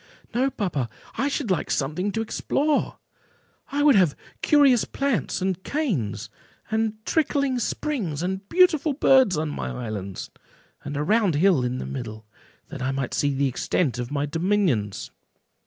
"No, papa; I should like something to explore; I would have curious plants, and canes, and trickling springs, and beautiful birds, on my islands, and a round hill in the middle, that I might see the extent of my dominions."